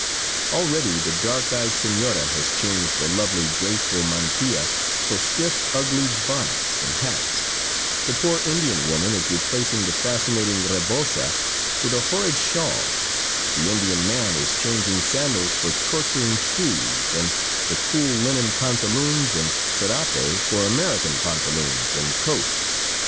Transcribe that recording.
Already the dark eyed senora has changed the lovely, graceful mantilla for stiff, ugly bonnets and hats; the poor Indian woman is replacing the fascinating reboza with a horrid shawl; the Indian man is changing sandals for torturing shoes and the cool linen pantaloons and serape for American pantaloons and coat.